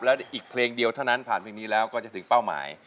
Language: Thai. แล้วอีกเพลงเดียวเท่านั้นผ่านเพลงนี้แล้วก็จะถึงเป้าหมาย